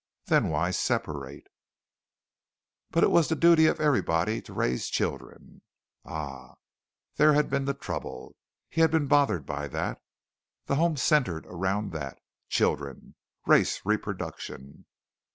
Then why separate? But it was the duty of everybody to raise children. Ah! there had been the trouble. He had been bothered by that. The home centered around that. Children! Race reproduction!